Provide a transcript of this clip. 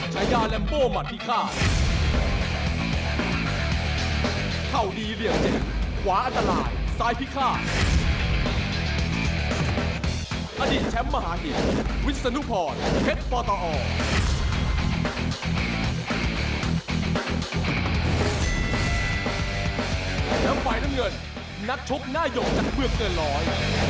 แล้วฝ่ายน้ำเงินนักชกหน้าหยกจากเมืองเกินร้อย